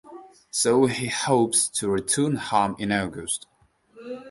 So he hopes to return home in August.